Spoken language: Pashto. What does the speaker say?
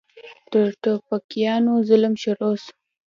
د ټوپکيانو ظلم شروع سو.